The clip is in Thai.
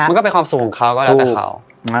มันก็เป็นความสุขของเขาก็แล้วแต่เขา